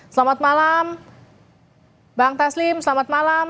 selamat malam bang taslim selamat malam